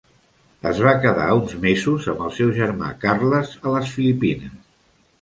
Es va quedar uns mesos amb al seu germà Carles a les Filipines.